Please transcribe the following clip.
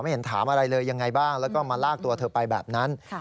เห็นถามอะไรเลยยังไงบ้างแล้วก็มาลากตัวเธอไปแบบนั้น